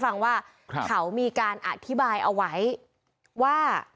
อะไหวว่า